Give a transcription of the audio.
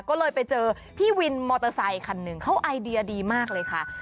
ก็เลยไปเจอพี่วินมอเตอร์ไซคันหนึ่งเขาไอเดียดีมากเลยค่ะ